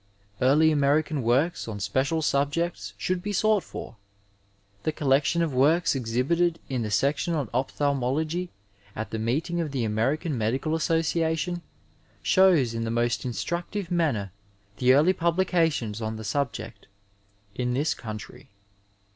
Eaiiy American works on special subjects should be sought for. The collection of works exhibited in the section on ophthalmology at the meeting .of the American Medical Association shows in the most instructive manner the eariy publications on the subject in this country.